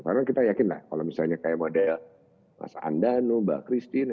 karena kita yakin lah kalau misalnya kayak model mas andano mbak christine